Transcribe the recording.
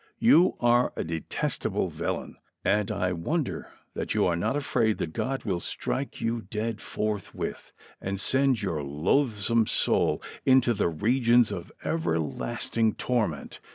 You are a detestable villain, and I wonder that you are not afraid that God will strike you dead forthwith, and send your loathsome soul into the regions of everlast ing torment